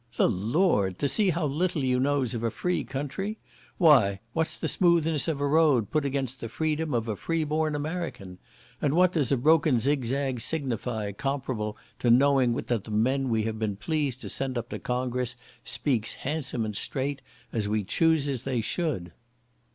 "The Lord! to see how little you knows of a free country? Why, what's the smoothness of a road, put against the freedom of a free born American? And what does a broken zig zag signify, comparable to knowing that the men what we have been pleased to send up to Congress, speaks handsome and straight, as we chooses they should?"